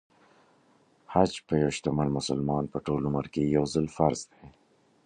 حج په یو شتمن مسلمان په ټول عمر کې يو ځل فرض دی .